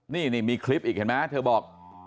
นี่มีคลิปอีกเห็นไหมเธอบอก